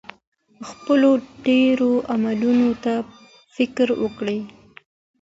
خپلو تېرو اعمالو ته فکر وکړئ.